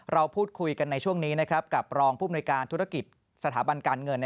เราพูดคุยกันในช่วงนี้กับรองผู้มนุยการธุรกิจสถาบันการเงิน